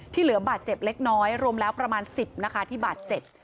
เหลือบาดเจ็บเล็กน้อยรวมแล้วประมาณ๑๐นะคะที่บาดเจ็บ